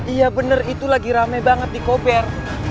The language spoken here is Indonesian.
iya bener itu lagi rame banget di koper